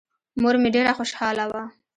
مور مې ډېره خوشاله وه.